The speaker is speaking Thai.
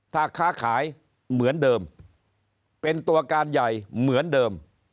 ถ้าค้าขายเหมือนเดิมเป็นตัวการใหญ่เหมือนเดิม